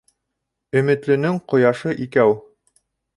Өмөтлөнөң ҡояшы икәү.